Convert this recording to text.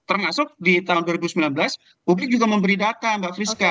termasuk di tahun dua ribu sembilan belas publik juga memberi data mbak priska